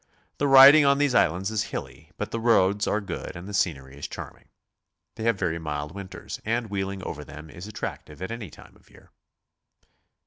The riding, on these islands is hilly, but the roads are good and the scenery is charming. They have very mild winters^ and wheeling over them is attractive at any time of year.